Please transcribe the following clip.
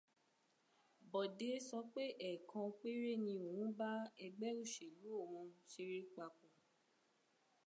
Bọ̀dé sọ pé ẹ̀ẹ̀kan péré ni òun bá ẹgbẹ́ òṣèlú òun ṣeré papọ̀